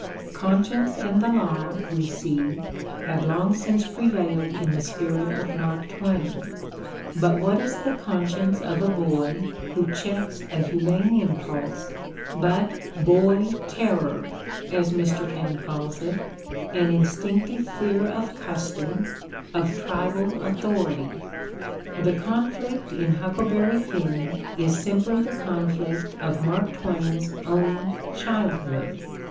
Con science and the law, we see, had long since prevailed in the spirit of Mark Twain, but what is the conscience of a boy who checks a humane impulse but "boy terror," as Mr. Paine calls it, an instinctive fear of custom, of tribal authority? The conflict in "Huckleberry Finn" 36 The Ordeal of Mark Twain is simply the conflict of Mark Twain's own childhood.